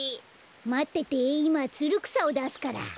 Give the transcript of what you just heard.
まってていまつるくさをだすから。